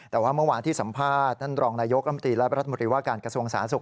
แต่ว่าเมื่อวานที่สัมภาษณ์นั่นรองนายกรรมตีรัฐบรรษมธิวะการกระทรวงสารสุข